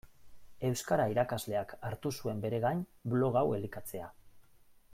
Euskara irakasleak hartu zuen bere gain blog hau elikatzea.